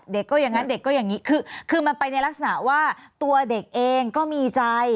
เด็กก็อย่างนั้นเด็กก็อย่างนี้คือมันไปในลักษณะว่าตัวเด็กเองก็มีใจ